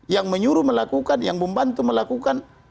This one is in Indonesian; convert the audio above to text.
yang menyuruh melakukan yang membantu melakukan